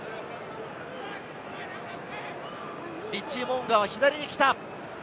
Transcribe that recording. リッチー・モウンガは左に来た。